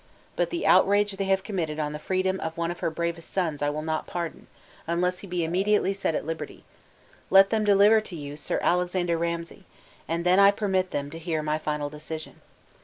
But the outrage they have committed on the freedom of one of her bravest sons I will not pardon, unless he be immediately set at liberty; let them deliver to you Sir Alexander Ramsay, and then I permit them to hear my final decision.